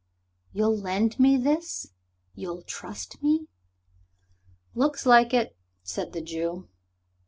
"You'll lend me this? You'll trust me?" "Looks like it," said the Jew.